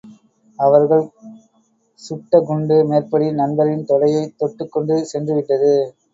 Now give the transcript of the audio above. அவர்கள் சுட்டகுண்டு மேற்படி நண்பரின் தொடையை தொட்டுக் கொண்டு சென்று விட்டது.